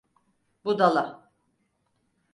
Budala!